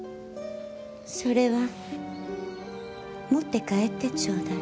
それは持って帰ってちょうだい。